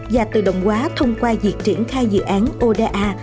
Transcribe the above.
và tự động hóa thông qua việc triển khai dự án oda